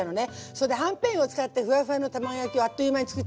それではんぺんを使ってふわふわの卵焼きをあっという間につくっちゃうっていう。